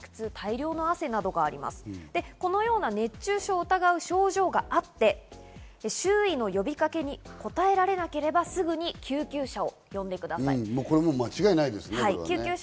このような熱中症を疑う症状があって、周囲の呼びかけに、応えられなければすぐに救急車を呼んでくださ間違いないですね。